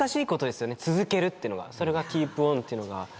それがキープオンっていうのが。